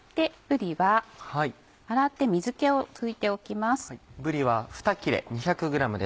ぶりは洗って水気を拭いておきます。